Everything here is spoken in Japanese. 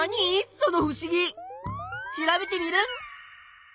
そのふしぎ！調べテミルン！